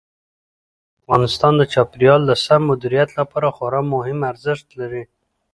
ژبې د افغانستان د چاپیریال د سم مدیریت لپاره خورا مهم ارزښت لري.